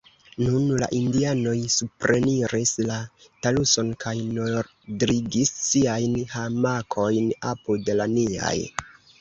Nun la indianoj supreniris la taluson kaj nodligis siajn hamakojn apud la niaj.